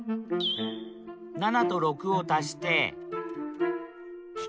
７と６を足して１３。